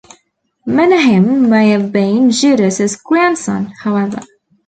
Menahem may have been Judas' grandson, however.